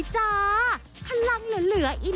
สวัสดีครับทุกคน